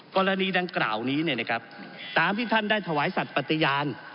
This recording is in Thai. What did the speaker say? กรณีดังกล่าวนี้ตามที่ท่านได้ถวายสัตว์ปฏิญาณ